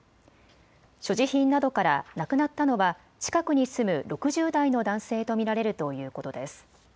所持品などから亡くなったのは近くに住む６０代の男性と見られるということです。